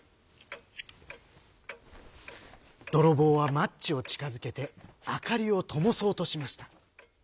どろぼうはマッチをちかづけてあかりをともそうとしました。